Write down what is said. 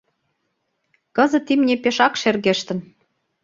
Кызыт имне пешак шергештын.